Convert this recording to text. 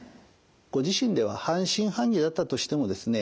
ご自身では半信半疑だったとしてもですね